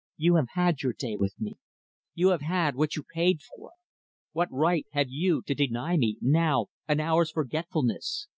"You have had your day with me. You have had what you paid for. What right have you to deny me, now, an hour's forgetfulness?